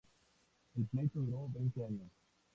El pleito duró veinte años.